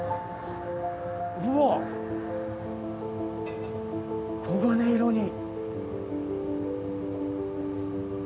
うわ、黄金色に！